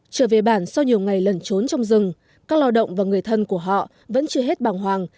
trở về bản sau nhiều ngày lẩn trốn trong rừng các lao động và người thân của họ vẫn chưa hết bằng hoàng